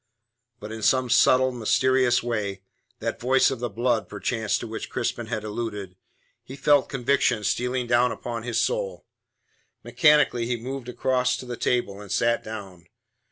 But in some subtle, mysterious way that voice of the blood perchance to which Crispin had alluded he felt conviction stealing down upon his soul. Mechanically he moved across to the table, and sat down.